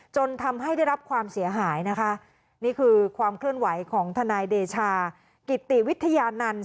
จนทำให้ได้รับความเสียหายนะคะนี่คือความเคลื่อนไหวของทนายเดชากิติวิทยานันต์